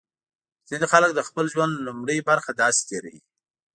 ځینې خلک د خپل ژوند لومړۍ برخه داسې تېروي.